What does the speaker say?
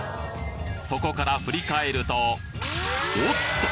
そこから振り返るとおっと！